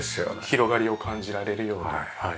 広がりを感じられるような。